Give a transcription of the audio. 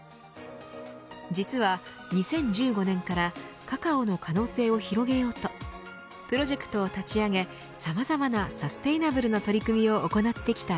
実は２０１５年からカカオの可能性を広げようとプロジェクトを立ち上げさまざまなサステイナブルな取り組みを行ってきた